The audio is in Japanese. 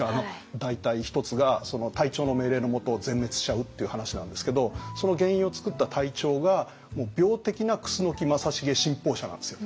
大隊１つが隊長の命令のもと全滅しちゃうっていう話なんですけどその原因を作った隊長がもう病的な楠木正成信奉者なんですよ。